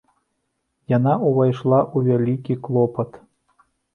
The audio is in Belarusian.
Яна ўвайшла ў вялікі клопат.